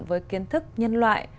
với kiến thức nhân loại